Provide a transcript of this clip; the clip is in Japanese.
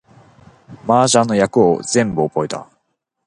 麻雀の役を全部覚えた